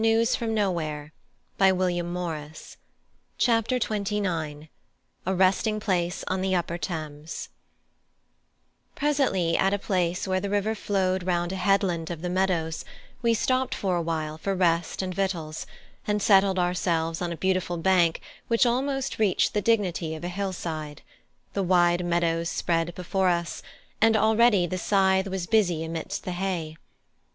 "I should have plenty to think of," said I. CHAPTER XXIX: A RESTING PLACE ON THE UPPER THAMES Presently at a place where the river flowed round a headland of the meadows, we stopped a while for rest and victuals, and settled ourselves on a beautiful bank which almost reached the dignity of a hill side: the wide meadows spread before us, and already the scythe was busy amidst the hay.